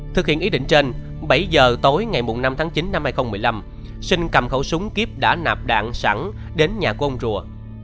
thực hiện ý định trên bảy h tối ngày năm tháng chín năm hai nghìn một mươi năm sinh cầm khẩu súng kiếp đã nạp đạn sẵn đến nhà của ông rùa